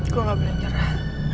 gue gak boleh nyerah